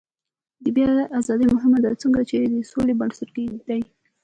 د بیان ازادي مهمه ده ځکه چې د سولې بنسټ دی.